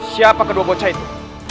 siapa kedua bocah itu